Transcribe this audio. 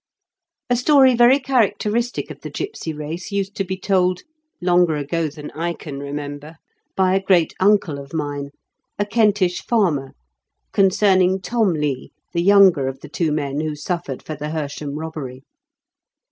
A story very characteristic of the gipsy race used to be told, longer ago than I can remember, by a great uncle of mine, a Kentish farmer, concerning Tom Lee, the younger of the two men who suffered for the Hersham robbery.